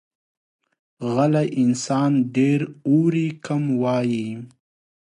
غلی انسان، ډېر اوري، کم وایي.